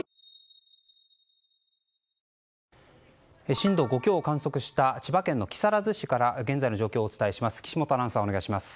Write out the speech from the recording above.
震度５強を観測した千葉県木更津市から現在の状況をお伝えします。